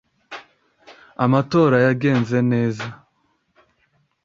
amatora yagenze neza